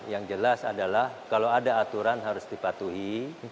yang jelas adalah kalau ada aturan harus dipatuhi